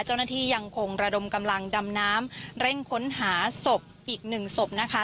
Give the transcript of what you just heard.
เจ้าหน้าที่ยังคงระดมกำลังดำน้ำเร่งค้นหาศพอีกหนึ่งศพนะคะ